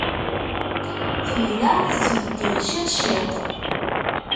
Tebda tettbeddil ciṭ ciṭ.